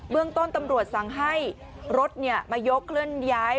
เรื่องต้นตำรวจสั่งให้รถมายกเคลื่อนย้าย